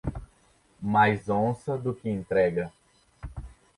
Mais onça do que entrega.